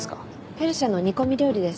ペルシャの煮込み料理です。